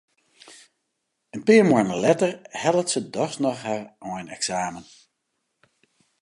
In pear moanne letter hellet se dochs noch har eineksamen.